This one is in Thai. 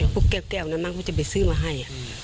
พวกแก้วนั้นมั้งเขาจะไปซื้อมาให้